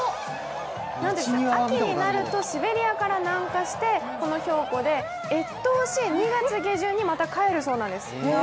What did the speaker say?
秋になるとシベリアから南下してこの瓢湖で越冬し、２月下旬にまた帰るそうなんです。